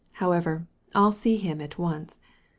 How ever, I'll see him at once.